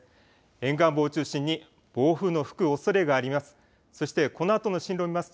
沿岸部を中心に暴風の吹くおそれがあります。